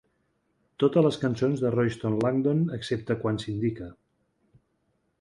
Totes les cançons de Royston Langdon excepte quan s'indica.